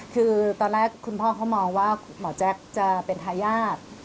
คือตอนแรกคุณพ่อเขามองว่าหมอแจ๊คจะเป็นทายาท